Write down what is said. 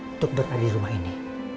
untuk berada di rumah ini